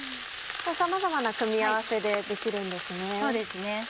さまざまな組み合わせでできるんですね。